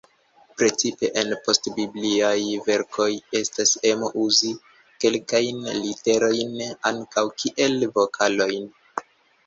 Precipe en post-bibliaj verkoj, estas emo uzi kelkajn literojn ankaŭ kiel vokalojn.